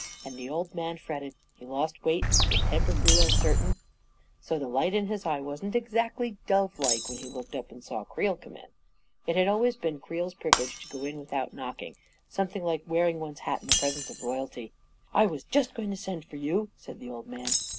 And the old man fretted; he lost weight; his temper grew uncertain ... So the light in his eye wasn't exactly dove like when he looked up and saw Creel come in. It had always been Creel's privilege to go in without knock ing — something like wearing one's hat in the pres ence of royalty. " I was just going to send for you," said the old man.